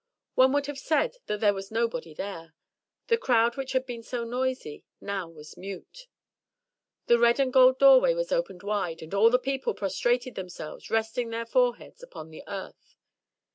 One would have said that there was nobody there. The crowd which had been so noisy now was mute. The red and gold doorway was opened wide, and all the people prostrated themselves, resting their foreheads upon the earth.